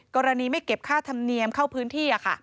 กรณีไม่เก็บค่าธรรมเนียมเข้าพื้นที่